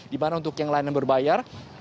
di mana untuk yang layanan berbayar